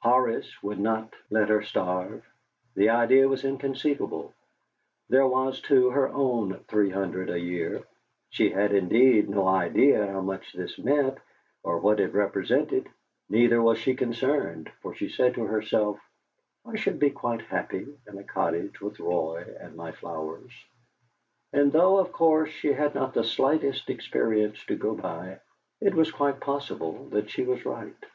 Horace would not let her starve: the idea was inconceivable. There was, too, her own three hundred a year. She had, indeed, no idea how much this meant, or what it represented, neither was she concerned, for she said to herself, "I should be quite happy in a cottage with Roy and my flowers;" and though, of course, she had not the smallest experience to go by, it was quite possible that she was right.